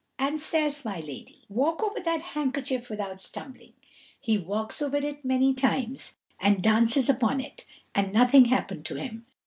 And says my Lady, "Walk over that handkerchief without stumbling." He walks over it many times, and dances upon it, and nothing happened to him.